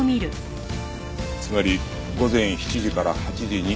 つまり午前７時から８時に殺された。